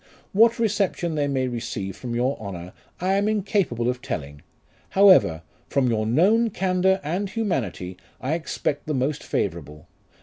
What reception they may receive from your Honour, I am incapable of telling ; however, from your known candour and humanity, I expect the most favourable.